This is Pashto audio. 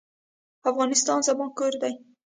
افغانستان زما کور دی